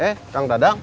eh kang dadang